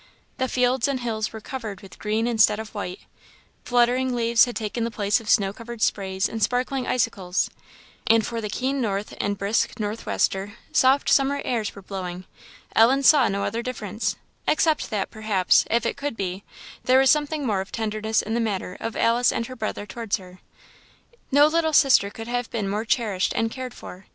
The fields and hills were covered with green instead of white; fluttering leaves had taken the place of snow covered sprays and sparkling icicles; and for the keen north and brisk northwester, soft summer airs were blowing. Ellen saw no other difference except that, perhaps, if it could be, there was something more of tenderness in the manner of Alice and her brother towards her. No little sister could have been more cherished and cared for.